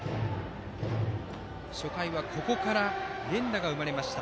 初回は、ここから連打が生まれました。